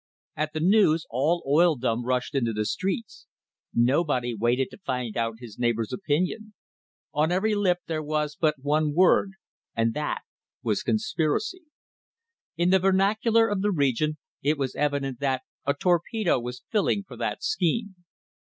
At the news all oildom rushed into the streets. Nobody waited to find out his neighbour's opinion. On every lip there was but one word, and that was "conspiracy." In the vernacular of the region, it was evident that "a torpedo was filling for that scheme."